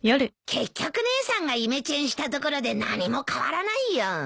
結局姉さんがイメチェンしたところで何も変わらないよ。